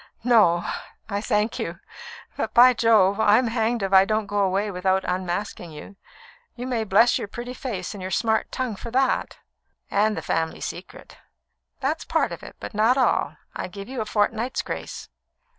No, I thank you. But, by Jove! I'm hanged if I don't go away without unmasking you. You may bless your pretty face and your smart tongue for that " "And the family secret." "That's part of it, but not all. I give you a fortnight's grace.